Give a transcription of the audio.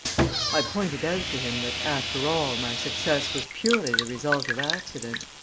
I pointed out to him that, after all, my success was purely the result of accident.